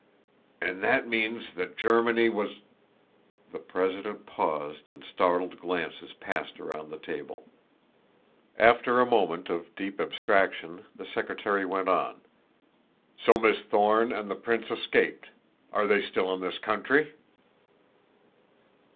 "And that means that Germany was !" The president paused and startled glances passed around the table. After a moment of deep abstraction the secretary went on: "So Miss Thorne and the prince escaped. Are they still in this country?"